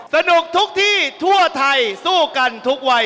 สนุกทุกที่ทั่วไทยสู้กันทุกวัย